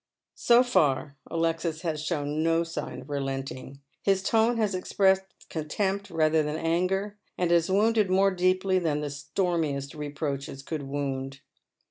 So far Alexis has shown no sign of relenting. His tone has expressed contempt rather than anger, and has ivounded more deeply than the stormiest reproaches could wound.